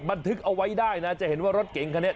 บันทึกเอาไว้ได้นะจะเห็นว่ารถเก๋งคันนี้